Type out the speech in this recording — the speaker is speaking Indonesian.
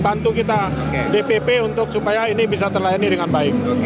bantu kita dpp untuk supaya ini bisa terlayani dengan baik